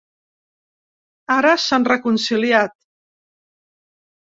Ara s'han reconciliat.